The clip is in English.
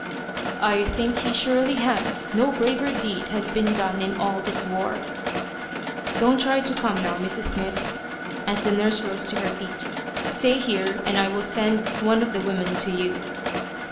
"I think he surely has. No braver deed has been done in all this war." "Don't try to come, now, Mrs Smith," as the nurse rose to her feet. "Stay here, and I will send one of the women to you."